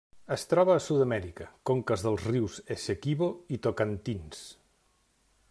Es troba a Sud-amèrica: conques dels rius Essequibo i Tocantins.